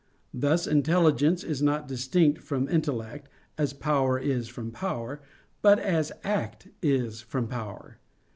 Thus intelligence is not distinct from intellect, as power is from power; but as act is from power.